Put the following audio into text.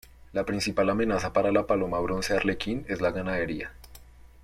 La principal amenaza para la paloma bronce arlequín es la ganadería.